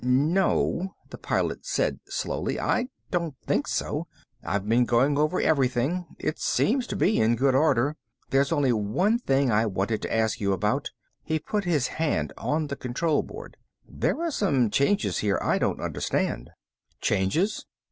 "No," the Pilot said slowly. "I don't think so. I've been going over everything. It seems to be in good order. There's only one thing I wanted to ask you about." He put his hand on the control board. "There are some changes here I don't understand." "Changes?"